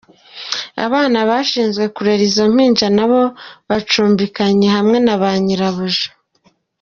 Abana bashinzwe kurera izo mpinja nabo bacumbikanye hamwe na ba nyirabuja.